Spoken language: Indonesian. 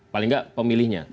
paling gak pemilihnya